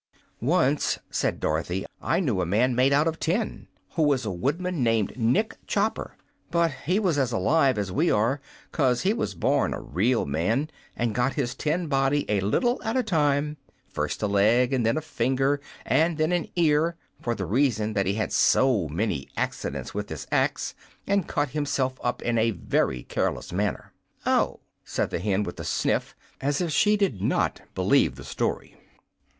"Once," said Dorothy, "I knew a man made out of tin, who was a woodman named Nick Chopper. But he was as alive as we are, 'cause he was born a real man, and got his tin body a little at a time first a leg and then a finger and then an ear for the reason that he had so many accidents with his axe, and cut himself up in a very careless manner." "Oh," said the hen, with a sniff, as if she did not believe the story.